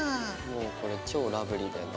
もうこれ超ラブリーだよ。